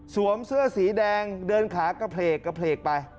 สวมเสื้อสีแดงเดินขากระเพลกไป